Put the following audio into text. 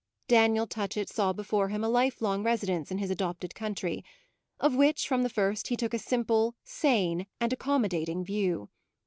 Daniel Touchett saw before him a life long residence in his adopted country, of which, from the first, he took a simple, sane and accommodating view.